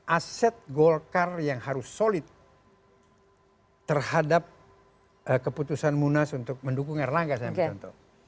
aset golkar yang harus solid terhadap keputusan munas untuk mendukung erlangga saya ambil contoh